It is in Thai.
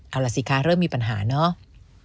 เอาล่ะสิคะเริ่มมีปัญหาเนาะ